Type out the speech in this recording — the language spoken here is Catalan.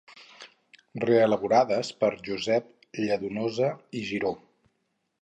reelaborades per Josep Lladonosa i Giró